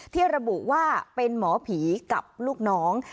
ที่ระบุว่าเป็นหมอผีกับลูกน้อง